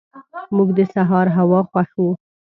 موږ د سهار هوا خوښو.